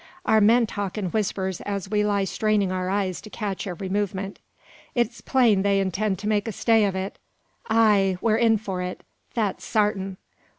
Our men talk in whispers, as we lie straining our eyes to catch every movement. "It's plain they intend to make a stay of it." "Ay! we're in for it, that's sartin!